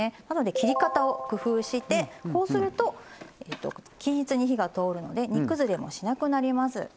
なので切り方を工夫してこうすると均一に火が通るので煮崩れもしなくなります。